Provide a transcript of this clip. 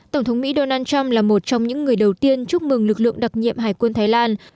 tổng thống mỹ donald trump là một trong những người đầu tiên chúc mừng lực lượng đặc nhiệm hải quân thái lan